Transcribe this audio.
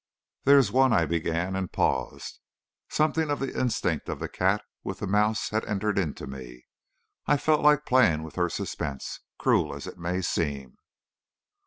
"There is one," I began, and paused. Something of the instinct of the cat with the mouse had entered into me. I felt like playing with her suspense, cruel as it may seem.